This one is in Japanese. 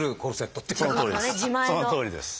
そのとおりです。